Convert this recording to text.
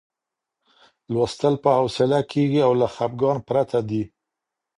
لوستل په حوصله کېږي او له خپګان پرته دی.